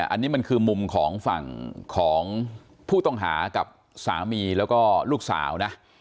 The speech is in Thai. อันนี้คือมุมของฝั่งคิดต่างผู้ต้องหากับสามีและลูกสาว